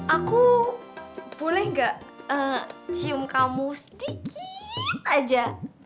aku boleh gak cium kamu sedikit aja